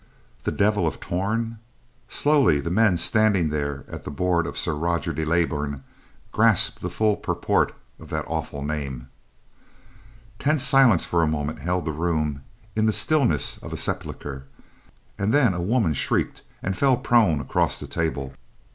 The Devil of Torn! Slowly the men standing there at the board of Sir Roger de Leybourn grasped the full purport of that awful name. Tense silence for a moment held the room in the stillness of a sepulchre, and then a woman shrieked, and fell prone across the table.